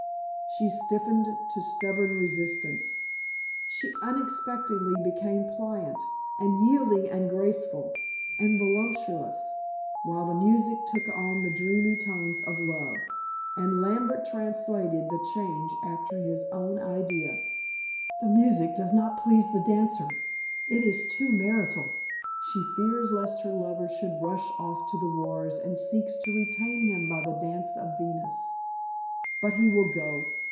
She stiffened to stubborn resistance she unexpectedly became pliant and yielding and graceful, and voluptuous, while the music took on the dreamy tones of love. And Lambert translated the change after his own idea: "The music does not please the dancer it is too martial. She fears lest her lover should rush off to the wars, and seeks to detain him by the dance of Venus. But he will go.